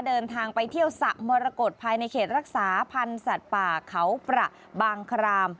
เดินทางไปเที่ยวสระมรกฏภายในเขตรักษาพันธ์สัตว์ป่าเขาประบางคราม